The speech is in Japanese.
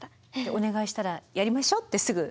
お願いしたら「やりましょ」ってすぐ。